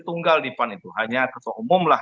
tunggal di pan itu hanya ketua umum lah